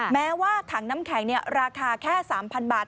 แม้ว่าถังน้ำแข็งราคาแค่๓๐๐บาท